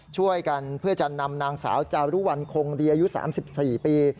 ช่วยกันเพื่อจะนำนางสาวจารุวัลคงดีอายุ๓๔ปี